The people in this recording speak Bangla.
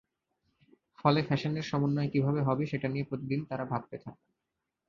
ফলে ফ্যাশনের সমন্বয় কীভাবে হবে সেটা নিয়ে প্রতিদিন তারা ভাবতে থাকে।